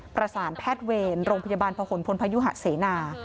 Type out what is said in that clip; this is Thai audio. ประสานแพทย์เวรโรงพยาบาลพหนพลพยุหะเสนา